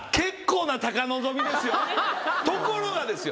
ところがですよ